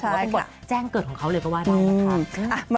ถือว่าเป็นบทแจ้งเกิดของเขาเลยเพราะว่าเรานะครับ